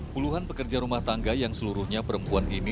puluhan pekerja rumah tangga yang seluruhnya perempuan ini